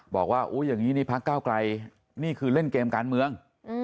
บอกว่าอย่างนี้นี่พักเก้าไกลนี่คือเล่นเกมการเมือง